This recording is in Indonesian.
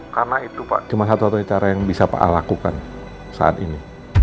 karena itu pak cuma satu satunya cara yang bisa pak al lakukan saat ini